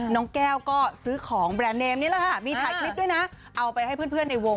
น้องแก้วก็ซื้อของแบรนด์เนมนี่แหละค่ะมีถ่ายคลิปด้วยนะเอาไปให้เพื่อนในวง